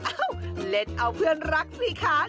เล่นเอาเพื่อนรักสิคะ